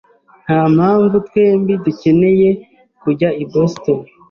Ntampamvu twembi dukeneye kujya i Boston.